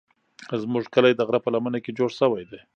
زموږ کلی د غره په لمنه کې جوړ شوی دی.